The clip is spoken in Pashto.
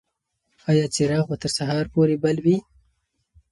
ایا څراغ به تر سهار پورې بل وي؟